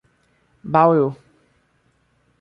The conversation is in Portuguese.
Bauru